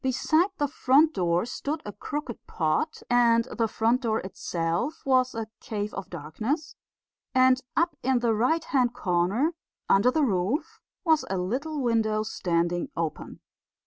Beside the front door stood a crooked pot, and the front door itself was a cave of darkness, and up in the right hand corner, under the roof, was a little window standing open.